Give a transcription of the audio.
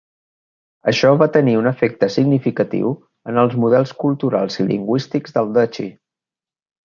Això va tenir un efecte significatiu en els models culturals i lingüístics del Duchy.